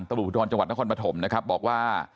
ตระบุผุดธรรมจังหวัดนครปฐมบอกว่า